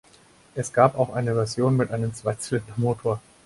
Es gab auch eine Version mit einem Zweizylindermotor.